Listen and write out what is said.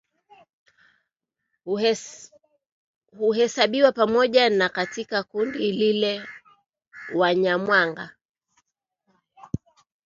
huhesabiwa pamoja nao katika kundi lilelile Wanyamwanga